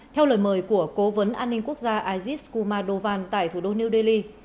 theo lời mời của cố vấn an ninh quốc gia aziz kumadovan tại thủ đô new delhi